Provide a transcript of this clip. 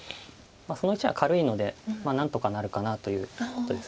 その石は軽いのでまあ何とかなるかなということです。